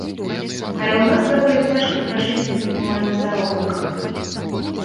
Але ў нас даволі цяжка пражыць на мінімальны заробак.